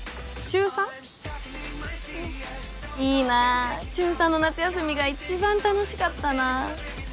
中３の夏休みが一番楽しかったなぁ。